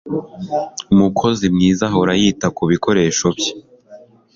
Umukozi mwiza ahora yita kubikoresho bye.